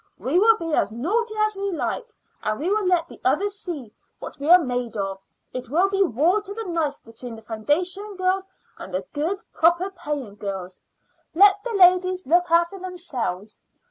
We will be as naughty as we like, and we will let the others see what we are made of. It will be war to the knife between the foundation girls and the good, proper, paying girls. Let the ladies look after themselves.